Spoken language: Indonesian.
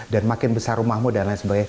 dan makin besar rumahmu dan lain sebagainya